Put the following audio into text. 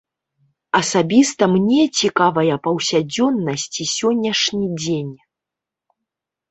Асабіста мне цікавая паўсядзённасць і сённяшні дзень.